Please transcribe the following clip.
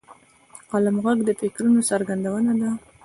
د قلم ږغ د فکرونو څرګندونه ده.